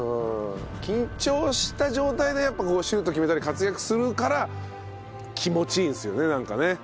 緊張した状態でシュート決めたり活躍するから気持ちいいんですよねなんかね。